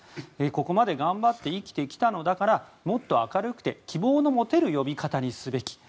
ここまで頑張って生きてきたのだからもっと明るくて希望の持てる呼び方にすべき。